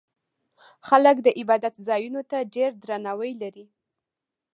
خلک د عبادت ځایونو ته ډېر درناوی لري.